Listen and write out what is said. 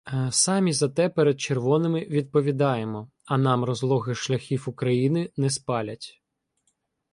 — Самі за те перед червоними відповідаємо, а нам розлогих шляхів України не спалять.